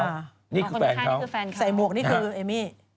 อ๋อคนที่ผ้านนี่คือแฟนเขาใส่มวกนี่คือเอมมี่